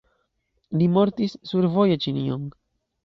Li mortis survoje Ĉinion.